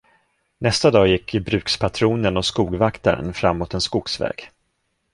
Nästa dag gick brukspatronen och skogvaktaren framåt en skogsväg.